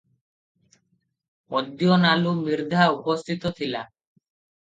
ଅଦ୍ୟ ନାଲୁ ମିର୍ଦ୍ଧା ଉପସ୍ଥିତ ଥିଲା ।